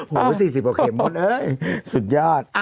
โห๔๐บาทเข็มหมดเลยสุดยอด